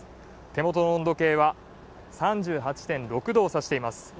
手元の温度計は３８．６度をさしています。